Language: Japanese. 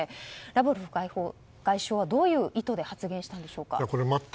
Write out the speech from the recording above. ラブロフ外相はどういう意図で発言したんでしょうか。